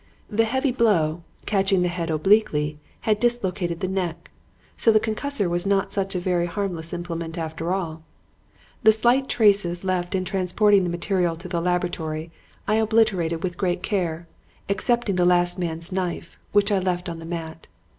The heavy blow, catching the head obliquely, had dislocated the neck. So the concussor was not such a very harmless implement after all. "The slight traces left in transporting the material to the laboratory, I obliterated with great care, excepting the last man's knife, which I left on the mat.